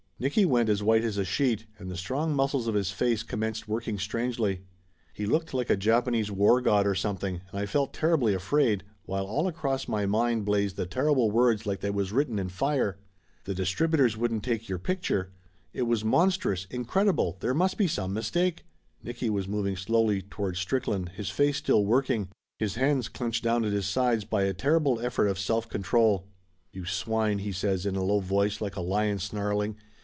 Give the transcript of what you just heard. Nicky went as white as a sheet and the strong mus cles of his face commenced working strangely. He looked like a Japanese war god or something and I felt terribly afraid, while all across my mind blazed the terrible words like they was written in fire. "The distributors wouldn't take your picture." It was mon strous, incredible, there must be some mistake ! Nicky was moving slowly towards Strickland, his face still working, his hand clenched down at his sides by a terrible effort of self control. "You swine!" he says in a low voice like a lion snarling.